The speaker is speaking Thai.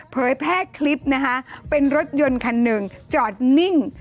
เผยแพร่คลิปนะคะเป็นรถยนต์คันหนึ่งจอดนิ่ง